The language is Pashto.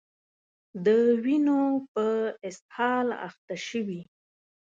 د وینو په اسهال اخته شوي